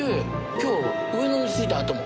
今日上野に着いたあとも。